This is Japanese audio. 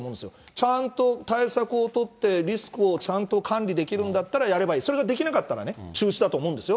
ちゃんと対策を取って、リスクをちゃんと管理できるんだったらやればいい、それができなかったら中止だと思うんですよ。